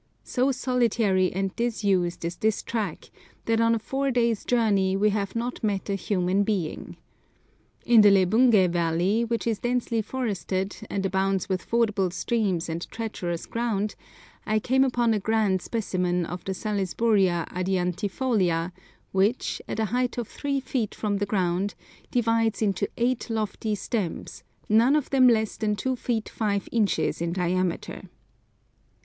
So solitary and disused is this track that on a four days' journey we have not met a human being. In the Lebungé valley, which is densely forested, and abounds with fordable streams and treacherous ground, I came upon a grand specimen of the Salisburia adiantifolia, which, at a height of three feet from the ground, divides into eight lofty stems, none of them less than 2 feet 5 inches in diameter.